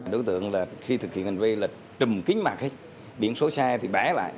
đối tượng là khi thực hiện hành vi là trùm kính mạc biển số xe thì bẽ lại